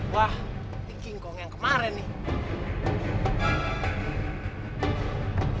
wah dikingkong yang kemarin nih